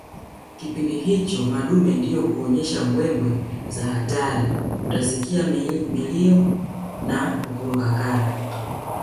Kipindi hicho madume ndio huonyesha mbwembwe za hatari utasikia milio na kurukaruka